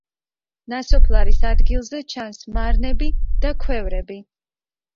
ნასოფლარის ადგილზე ჩანს მარნები და ქვევრები.